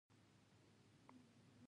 زه او قریشي تر کوټه سنګي پورې ولاړو.